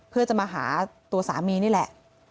เพื่อจะมาหาตัวสามีนี่แหละ